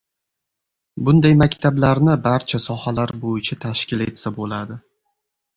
Bunday maktablarni barcha sohalar bo‘yicha tashkil etsa bo‘ladi.